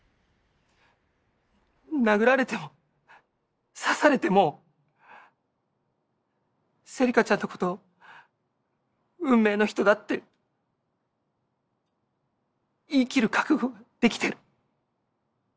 殴られても刺されても芹香ちゃんのこと運命の人だって言い切る覚悟できてる。